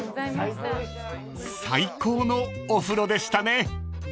［最高のお風呂でしたね］